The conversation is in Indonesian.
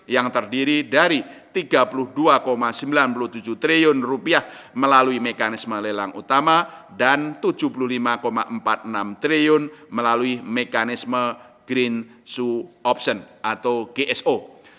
yang terdiri dari rp tiga puluh dua sembilan puluh tujuh triliun melalui mekanisme lelang utama dan rp tujuh puluh lima empat puluh enam triliun melalui mekanisme green so option atau gso